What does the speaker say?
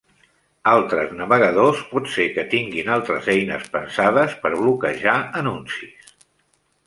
Altres navegadors pot ser que tinguin altres eines pensades per bloquejar anuncis.